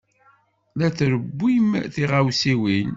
La trewwim tiɣawsiwin.